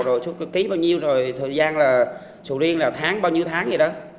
rồi ký bao nhiêu rồi thời gian là sầu riêng là tháng bao nhiêu tháng vậy đó